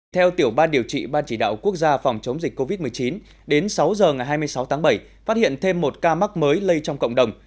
theo tiểu ban điều trị ban chỉ đạo quốc gia phòng chống dịch covid một mươi chín đến sáu giờ ngày hai mươi sáu tháng bảy phát hiện thêm một ca mắc mới lây trong cộng đồng